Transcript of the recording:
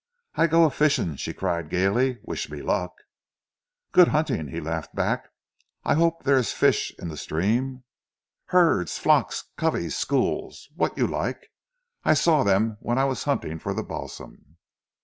"I go a fishing," she cried gaily. "Wish me luck?" "Good hunting!" he laughed back. "I hope there is fish in the stream." "Herds! Flocks! Coveys! Schools! What you like. I saw them when I was hunting for the balsam."